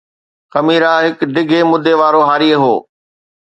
خميزه هڪ ڊگهي مدي وارو هاري هو